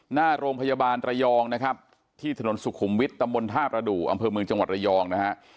หน้าโรงพยาบาลระยองนะครับที่ถนนสุขุมวิทย์ตำบลท่าประดูกอำเภอเมืองจังหวัดระยองนะฮะ